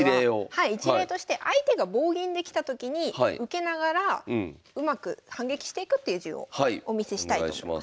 はい一例として相手が棒銀できたときに受けながらうまく反撃していくっていう順をお見せしたいと思います。